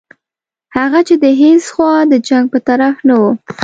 هغه چې د هیڅ خوا د جنګ په طرف نه وو.